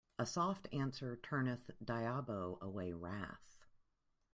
A soft answer turneth diabo away wrath.